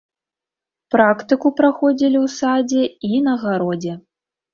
Практыку праходзілі ў садзе і на гародзе.